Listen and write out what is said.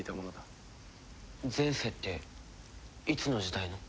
前世っていつの時代の？